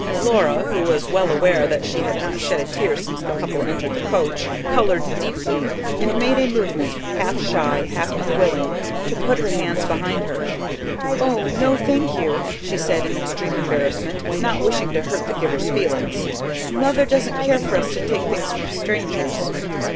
Laura, who was well aware that she had not shed a tear since the couple entered the coach, coloured deeply, and made a movement, half shy, half unwilling, to put her hands behind her. "Oh no, thank you," she said in extreme embarrassment, not wishing to hurt the giver's feelings. "Mother doesn't care for us to take things from strangers."